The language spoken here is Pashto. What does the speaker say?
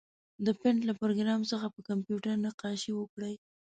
د پېنټ له پروګرام څخه په کمپیوټر نقاشي وکړئ.